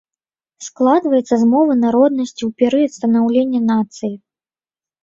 Складваецца з мовы народнасці ў перыяд станаўлення нацыі.